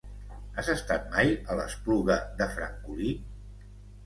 Has estat mai a l'Espluga de Francolí?